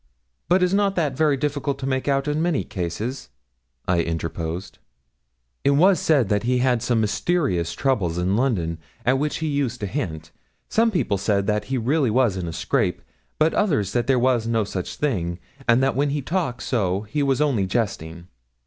'But is not that very difficult to make out in many cases?' I interposed. 'It was said that he had some mysterious troubles in London, at which he used to hint. Some people said that he really was in a scrape, but others that there was no such thing, and that when he talked so he was only jesting.